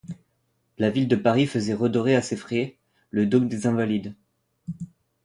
La ville de Paris faisait redorer à ses frais le dôme des Invalides.